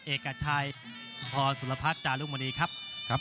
เอกจัดชายพรสุรพัฒน์จารุมณีครับ